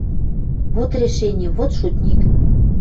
Вот решени! Вот шутник!